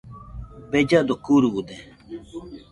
Bellado kurude